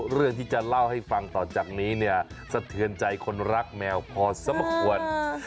เรื่องที่จะเล่าให้ฟังต่อจากนี้เนี่ยสะเทือนใจคนรักแมวพอสมควร